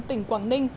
tỉnh quảng ninh